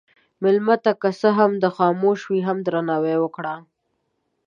مېلمه ته که څه هم خاموش وي، هم درناوی ورکړه.